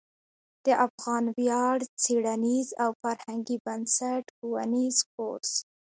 د افغان ویاړ څیړنیز او فرهنګي بنسټ ښوونیز کورس